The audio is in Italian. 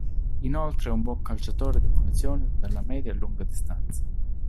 Inoltre è un buon calciatore di punizioni dalla media e lunga distanza.